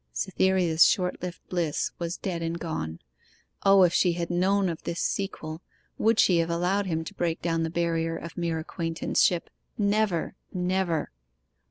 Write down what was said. Cytherea's short lived bliss was dead and gone. O, if she had known of this sequel would she have allowed him to break down the barrier of mere acquaintanceship never, never!